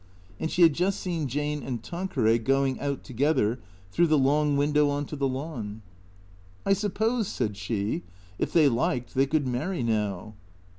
x\nd she had just seen Jane and Tanqueray going out together through the long window on to the lawn. " I suppose," said she, " if they liked, they could marry now."